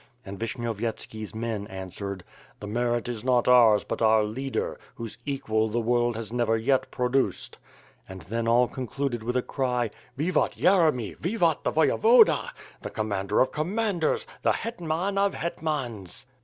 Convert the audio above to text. And Vishnyovyetski's men answered, "The merit is not ours but our leader, whose equal the world has never yet pro duced.'^ And then all concluded with a cry, "Vivat Yeremy, Vivat the Voyevoda! The commander of commanders! The hetman of hetmans!